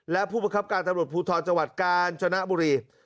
และผู้ประคับการตำรวจภูทรจังหวัดกาญจนบุรี